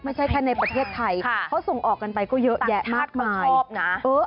ไม่ใช่แค่ในประเทศไทยเขาส่งออกกันไปก็เยอะแยะมากมายชอบนะ